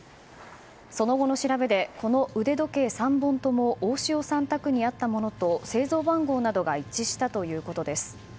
その後の調べでこの腕時計３本とも大塩さん宅にあったものと製造番号などが一致したということです。